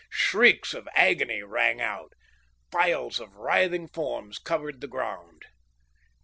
Shrieks of agony rang out. Files of writhing forms covered the ground.